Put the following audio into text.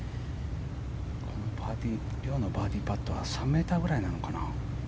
遼のバーディーパットは３ｍぐらいなのかな。